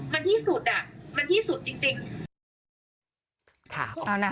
มันที่สุดอ่ะมันที่สุดจริง